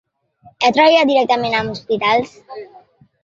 Heu treballat directament amb hospitals?